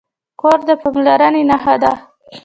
کور د پاملرنې نښه ده.